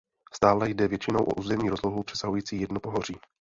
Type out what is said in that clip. Stále jde většinou o území rozlohou přesahující jedno pohoří.